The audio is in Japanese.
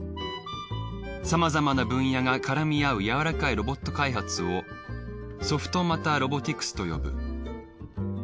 さまざまな分野が絡み合う柔らかいロボット開発をソフトマター・ロボティクスと呼ぶ。